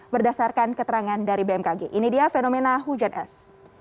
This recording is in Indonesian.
berdasarkan keterangan dari bmkg ini dia fenomena hujan es